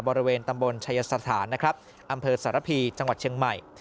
บริเวณตำบลชายสถานนะครับอำเภอสารพีจังหวัดเชียงใหม่